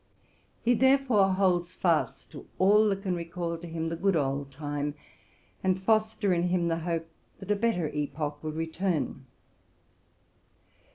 He therefore holds fast to all that can recall to him the good old time, and foster in him the hope that a better epoch will return.